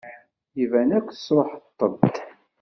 Iban akk tesṛuḥeḍ-tent.